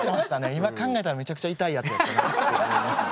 今考えたらめちゃくちゃ痛いやつやったなって思いますね。